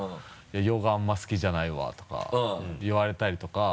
「洋画あんまり好きじゃないわ」とか言われたりとか。